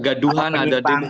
dan tadi dikatakan juga pak